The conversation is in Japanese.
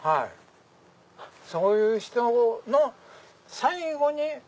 そういう人の最後に。